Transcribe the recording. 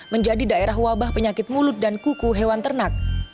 menjadi daerah wabah penyakit mulut dan kuku hewan ternak